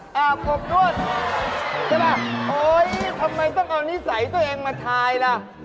ใช่ป่ะโอ๊ยทำไมต้องเอานิสัยตัวเองมาถ่ายล่ะ